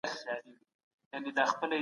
رسول الله د ذمي قاتل ته سزا ورکړې وه.